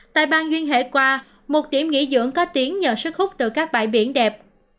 tại bang duyên hải qua một điểm nghỉ dưỡng có tiếng nhờ sức hút từ các bãi biển đẹp